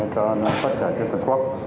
cho tất cả chương trình quốc